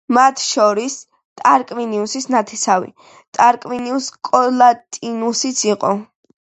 მათ შორის ტარკვინიუსის ნათესავი ტარკვინიუს კოლატინუსიც იყო.